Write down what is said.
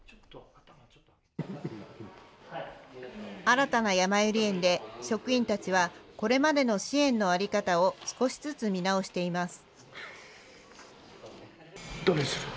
新たなやまゆり園で、職員たちはこれまでの支援の在り方を少しずつ見直しています。